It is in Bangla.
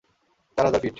চার হাজার ফিট।